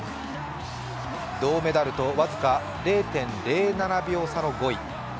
銅メダルと僅か０．０７秒差の５位。